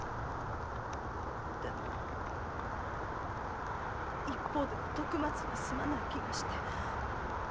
でも一方では徳松にすまない気がして。